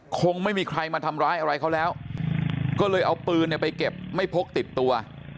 คงไม่มีใครมาทำร้ายอะไรเขาแล้วก็เลยเอาปืนไปเก็บไม่พกติดตัว